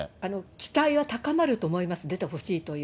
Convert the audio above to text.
期待は高まると思います、出てほしいという。